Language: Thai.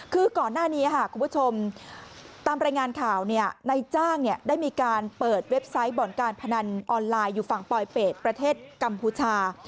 คือก่อนหน้านี้คุณผู้ชมตามรายงานข่าวในจ้างได้มีการเปิดเว็บไซต์บ่อนการพนันออนไลน์อยู่ฝั่งปลอยเป็ดประเทศกัมพูชา